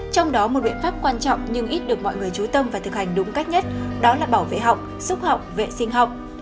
trong đó một biện pháp quan trọng nhưng ít được mọi người trú tâm và thực hành đúng cách nhất đó là bảo vệ học xúc học vệ sinh học